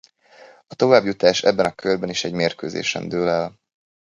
A továbbjutás ebben a körben is egy mérkőzésen dől el.